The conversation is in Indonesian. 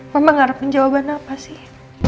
mama ngarep penjawaban apa sih